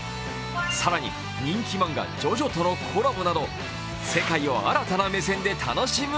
更に、人気漫画「ジョジョ」とのコラボなど、「世界を新たな目線で楽しむ」